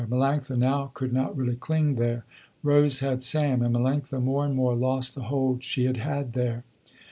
Melanctha now could not really cling there. Rose had Sam, and Melanctha more and more lost the hold she had had there.